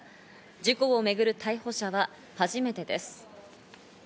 事故をめぐる逮捕者は初めてです。